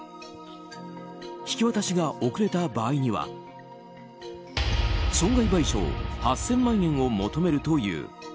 引き渡しが遅れた場合には損害賠償８０００万円を求めるという。